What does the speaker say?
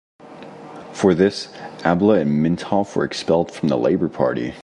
For this Abela and Mintoff were expelled from the Labour Party.